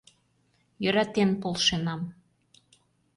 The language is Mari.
Йӧратен полшенам...